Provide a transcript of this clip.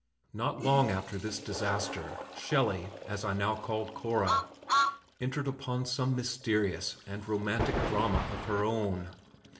Not long after this disaster, "Shellie," as I now called Cora, entered upon some mysterious and romantic drama of her own.